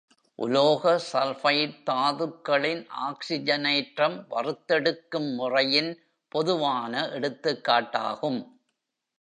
உலோக சல்பைட் தாதுக்களின் ஆக்சிஜனேற்றம் வறுத்தெடுக்கும் முறையின் பொதுவான எடுத்துக்காட்டாகும்.